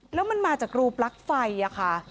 แล้วมันมาจากรูปลั๊กไฟค่ะ